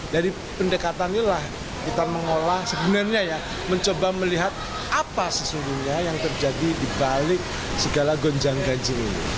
dari pendekatan inilah kita mengolah sebenarnya ya mencoba melihat apa sesungguhnya yang terjadi di balik segala gonjang gaji ini